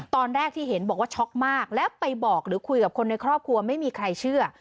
ตอนแรกที่เห็นบอกว่าช็อกมากแล้วไปบอกหรือคุยกับคนในครอบครัวไม่มีใครเชื่อ